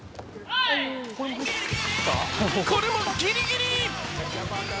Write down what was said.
これもギリギリ。